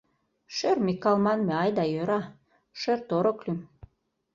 Шӧр Микал манме, айда йӧра, шӧр-торык лӱм.